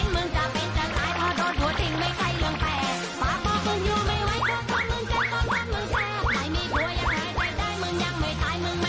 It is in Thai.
มึงยังไม่ท้ายมึงไม่ต้องแห่ง